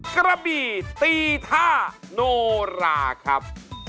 สวัสดีครับ